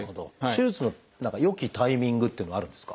手術の良きタイミングっていうのはあるんですか？